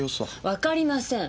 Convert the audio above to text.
わかりません！